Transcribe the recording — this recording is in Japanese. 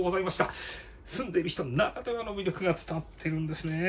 住んでいる人ならではの魅力が伝わってるんですね。